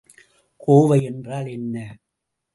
கோவை என்றால் என்ன?